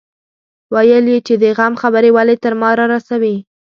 ويل يې چې د غم خبرې ولې تر ما رارسوي.